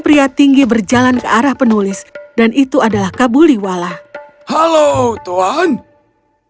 pria tinggi berjalan ke arah penulis dan itu adalah kabuliwala halo tuhan ya oh itu kau kapan kau kembali